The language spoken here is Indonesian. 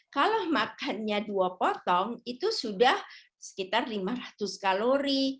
kalau makannya dua potong itu sudah sekitar lima ratus kalori